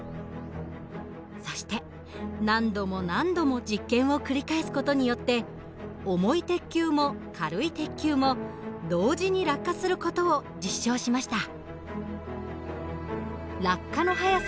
そして何度も何度も実験を繰り返す事によって重い鉄球も軽い鉄球も同時に落下する事を実証しました。